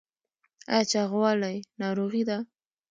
ایا چاغوالی ناروغي ده؟